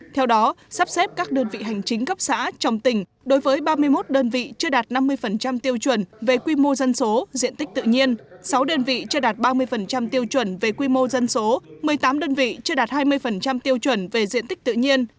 theo đó sắp xếp các đơn vị hành chính cấp xã trong tỉnh đối với ba mươi một đơn vị chưa đạt năm mươi tiêu chuẩn về quy mô dân số diện tích tự nhiên